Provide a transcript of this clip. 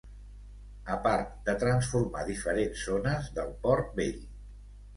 a part de transformar diferents zones del Port Vell